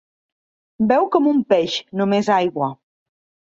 Beu com un peix, només aigua.